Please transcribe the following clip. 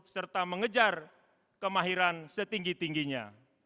serta mengejar kemahiran setinggi tingginya